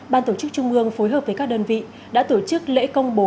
ban tổ chức trung ương phối hợp với các đơn vị đã tổ chức lễ công bố